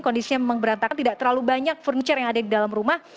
kondisinya memang berantakan tidak terlalu banyak furniture yang ada di dalam rumah